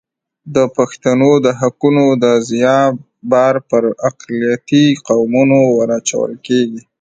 د پښتنو د حقونو د ضیاع بار پر اقلیتي قومونو ور اچول کېږي.